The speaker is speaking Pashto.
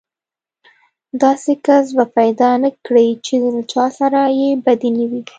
داسې کس به پيدا نه کړې چې له چا سره يې بدي نه وي.